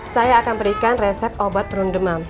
saya akan berikan resep obat perunding demam